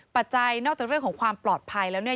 นอกจากเรื่องของความปลอดภัยแล้วเนี่ย